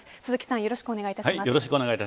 よろしくお願いします。